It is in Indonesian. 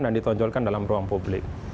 dan ditonjolkan dalam ruang publik